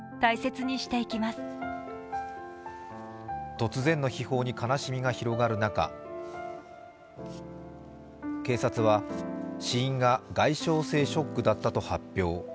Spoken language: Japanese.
突然の悲報に悲しみが広がる中、警察は、死因が外傷性ショックだったと発表。